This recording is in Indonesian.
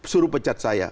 suruh pecat saya